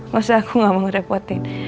gak usah aku gak mau ngerepotin